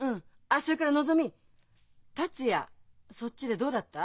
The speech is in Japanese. あっそれからのぞみ達也そっちでどうだった？